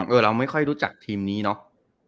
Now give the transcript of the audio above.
เราไม่ค่อยรู้จักทีมนี้เนาะ